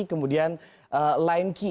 kemudian line k